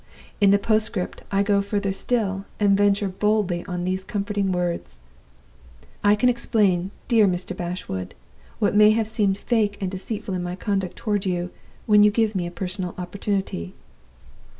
In the postscript I go further still, and venture boldly on these comforting words: 'I can explain, dear Mr. Bashwood, what may have seemed fake and deceitful in my conduct toward you when you give me a personal opportunity.